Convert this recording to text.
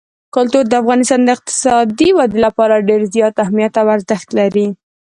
کلتور د افغانستان د اقتصادي ودې لپاره ډېر زیات اهمیت او ارزښت لري.